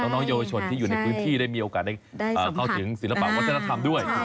น้องเยาวชนที่อยู่ในพื้นที่ได้มีโอกาสได้เข้าถึงศิลปะวัฒนธรรมด้วย